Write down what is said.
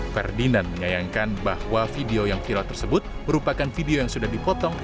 ferdinand menyayangkan bahwa video yang viral tersebut merupakan video yang sudah dipotong